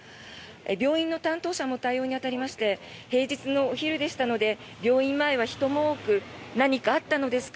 病院の担当者も対応に当たりまして平日のお昼でしたので病院前は人も多く何かあったのですか？